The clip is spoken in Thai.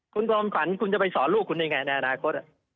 คุณจอมฝันคุณจะไปสอนลูกคุณยังไงในอนาคต